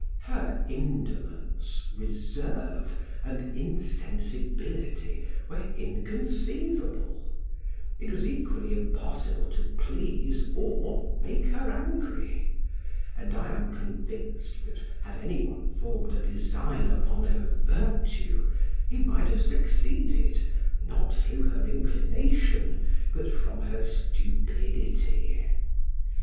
Her indolence, reserve, and insensibility were inconceivable; it was equally impossible to please or make her angry, and I am convinced that had any one formed a design upon her virtue, he might have succeeded, not through her inclination, but from her stupidity.